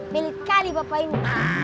pelit kali bapak ini